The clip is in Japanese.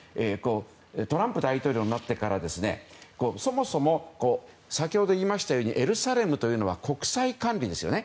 トランプ大統領になってからそもそも、エルサレムというのは国際管理ですよね。